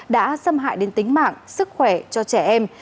đã xâm hại đến tính mạng sức khỏe cho trẻ em